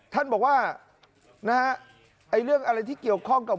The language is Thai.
ท่านบอกว่านะฮะไอ้เรื่องอะไรที่เกี่ยวข้องกับ